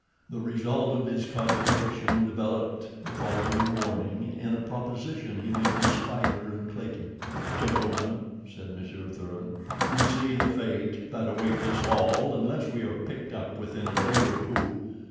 The result of his cogitation developed the following morning in a proposition he made to Spider and Clayton. "Gentlemen," said Monsieur Thuran, "you see the fate that awaits us all unless we are picked up within a day or two.